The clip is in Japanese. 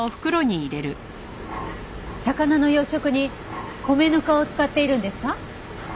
魚の養殖に米ぬかを使っているんですか？